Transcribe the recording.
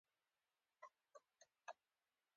د نخود دانه د څه لپاره وکاروم؟